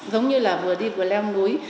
giống như là vừa đi vừa leo núi